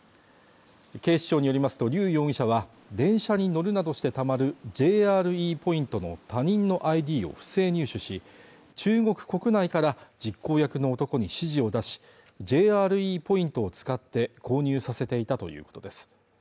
警視庁によりますと劉容疑者は電車に乗るなどしてたまるＪＲＥポイントの他人のＩＤを不正入手し中国国内から実行役の男に指示を出しＪＲＥポイントを使って購入させていたということです